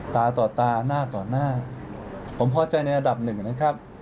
ตาต่อตาหน้าต่อหน้าผมพอใจในระดับหนึ่งนะครับ